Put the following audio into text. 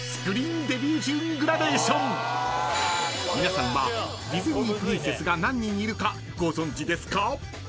［皆さんはディズニープリンセスが何人いるかご存じですか？］